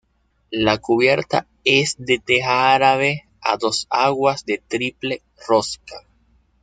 La cubierta es de teja árabe a dos aguas de triple rosca.